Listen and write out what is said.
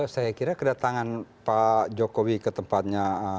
saya kira kedatangan pak jokowi ke tempatnya